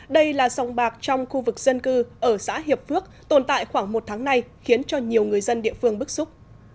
đây là sông bạc trong khu vực dân cư ở xã hiệp phước tồn tại khoảng một tháng nay khiến cho nhiều người dân địa phương bức xúc